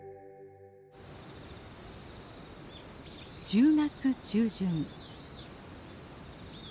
１０月中旬。